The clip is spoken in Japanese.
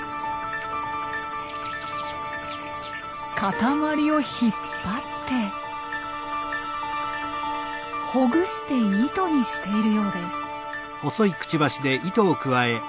塊を引っ張ってほぐして糸にしているようです。